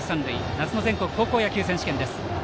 夏の全国高校野球選手権大会です。